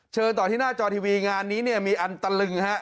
ต่อที่หน้าจอทีวีงานนี้เนี่ยมีอันตะลึงฮะ